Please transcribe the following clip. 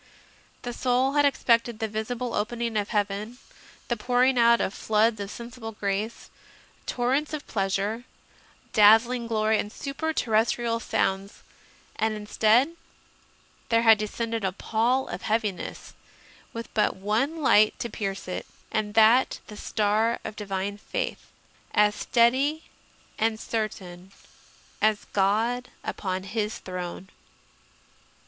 The soul had expected the CONFESSIONS OF A CONVERT 133 visible opening of heaven, the pouring out of floods of sensible grace, torrents of pleasure, dazzling glory and super terrestrial sounds, and instead there had descended a pall of heaviness with but one light to pierce it, and that the Star of Divine Faith, as steady and certain as God upon His throne.